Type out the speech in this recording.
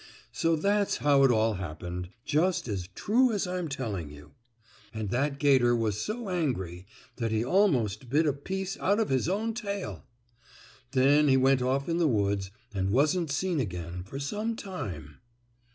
So that's how it all happened, just as true as I'm telling you. And that 'gator was so angry that he almost bit a piece out of his own tail. Then he went off in the woods and wasn't seen again for some time.